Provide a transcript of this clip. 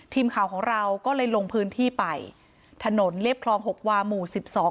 ทีมข่าวของเราก็เลยลงพื้นที่ไปถนนเรียบคลองหกวาหมู่สิบสอง